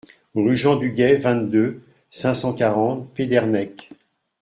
Rue Jean Dugay, vingt-deux, cinq cent quarante Pédernec